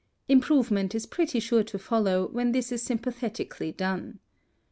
Improvement is pretty sure to follow when this is sympathetically done.